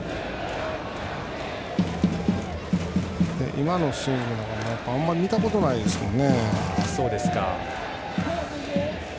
今のスイングなんかもあまり見たことないですものね。